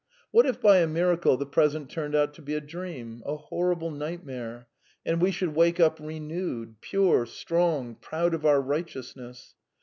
What if by a miracle the present turned out to be a dream, a horrible nightmare, and we should wake up renewed, pure, strong, proud of our righteousness?